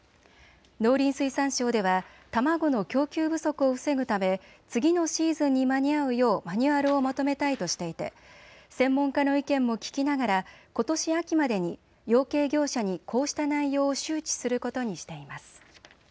農林水産省では卵の供給不足を防ぐため次のシーズンに間に合うようマニュアルをまとめたいとしていて専門家の意見も聞きながらことし秋までに養鶏業者にこうした内容を周知することにしています。